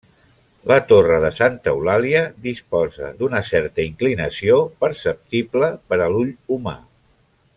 La torre de Santa Eulàlia disposa d'una certa inclinació perceptible per a l'ull humà.